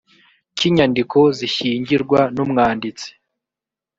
cy inyandiko z ishyingirwa n umwanditsi